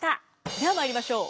ではまいりましょう。